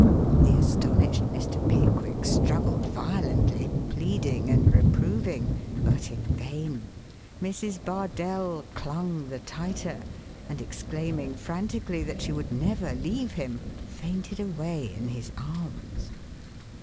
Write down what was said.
The astonished Mr. Pickwick struggled violently, pleading and reproving, but in vain. Mrs. Bardell clung the tighter, and exclaiming frantically that she would never leave him, fainted away in his arms.